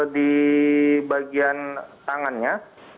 di bagian tangannya